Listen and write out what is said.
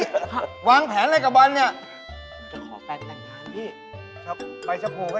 ลาวางแผนอะไรกับวันนี้